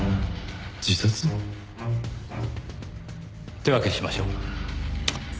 自殺？手分けしましょう。